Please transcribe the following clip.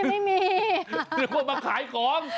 นึกว่ามาขายของ